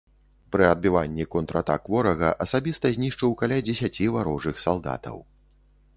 Пры адбіванні контратак ворага асабіста знішчыў каля дзесяці варожых салдатаў.